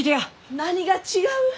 ・何が違う？